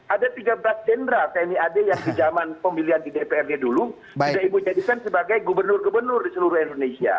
ada tiga belas jenderal tni ad yang di zaman pemilihan di dprd dulu sudah ibu jadikan sebagai gubernur gubernur di seluruh indonesia